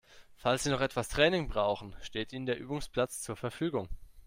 Falls Sie noch etwas Training brauchen, steht Ihnen der Übungsplatz zur Verfügung.